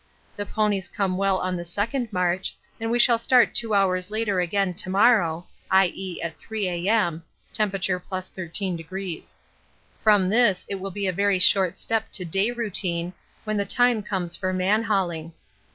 The ponies came well on the second march and we shall start 2 hours later again to morrow, i.e. at 3 A.M. (T.+13°). From this it will be a very short step to day routine when the time comes for man hauling.